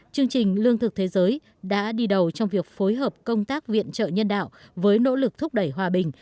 chương trình lương thực thế giới đã đi đầu trong việc phối hợp công tác viện trợ nhân đạo với nỗ lực thúc đẩy hòa bình